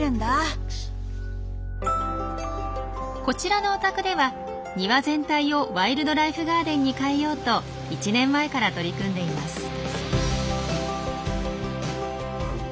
こちらのお宅では庭全体をワイルドライフガーデンに変えようと１年前から取り組んでいます。